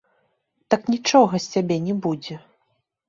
Так нічога з цябе не будзе.